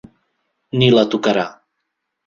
Ni la tocarà.